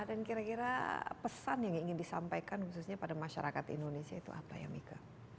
dan kira kira pesan yang ingin disampaikan khususnya pada masyarakat indonesia itu apa ya mika